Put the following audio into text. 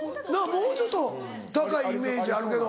もうちょっと高いイメージあるけど。